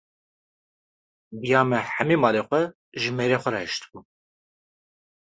Diya me hemî malê xwe ji mêrê xwe re hişti bû.